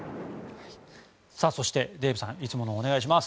そして、デーブさんいつものお願いします。